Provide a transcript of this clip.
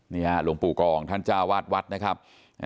แล้วมูลปูกองท่านจ้าววัดวัฒน์นะครับ